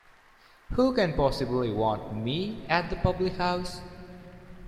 Who can possibly want me at the public-house?